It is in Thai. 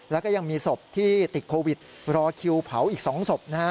แล้วก็ยังมีศพที่ติดโควิดรอคิวเผาอีก๒ศพนะฮะ